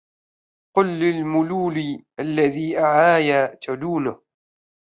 قل للملول الذي أعيا تلونه